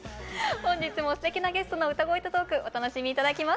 本日もすてきなゲストの歌声とトークお楽しみ頂きます。